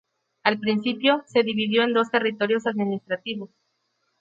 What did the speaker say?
Al principio, se dividió en dos territorios administrativos.